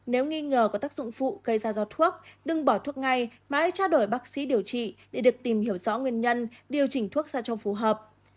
nếu nghi ngờ có tác dụng phụ gây ra do thuốc đừng bỏ thuốc ngay mãi trao đổi bác sĩ điều trị để được tìm hiểu rõ nguyên nhân điều chỉnh thuốc sao cho phù hợp